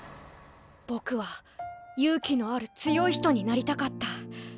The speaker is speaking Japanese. ぼくは勇気のある強い人になりたかった。